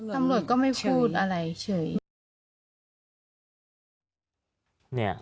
ตำรวจก็ไม่พูดอะไรเฉย